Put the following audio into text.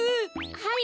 はい。